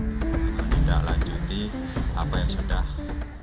tidak lanjut di apa yang sudah